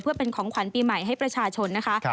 เพื่อเป็นของขวัญปีใหม่ให้ประชาชนนะคะ